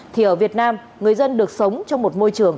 thì ở việt nam người dân được sống trong một môi trường